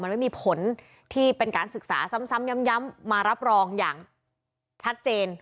มันไม่มีผลที่เป็นการศึกษาซ้ำย้ำมารับรองอย่างชัดเจน